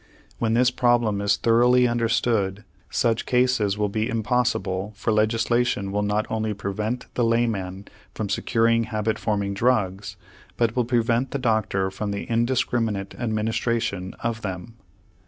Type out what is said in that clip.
When this problem is thoroughly understood, such cases will be impossible, for legislation will not only prevent the layman from securing habit forming drugs, but will prevent the doctor from the indiscriminate administration of them.